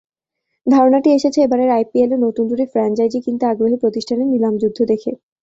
ধারণাটি এসেছে এবারের আইপিএলে নতুন দুটি ফ্র্যাঞ্চাইজি কিনতে আগ্রহী প্রতিষ্ঠানের নিলাম-যুদ্ধ দেখে।